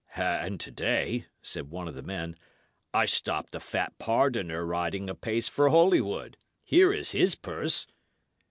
"And to day," said one of the men, "I stopped a fat pardoner riding apace for Holywood. Here is his purse."